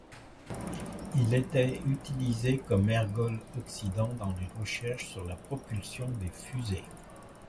Il était utilisé comme ergol oxydant dans les recherches sur la propulsion des fusées.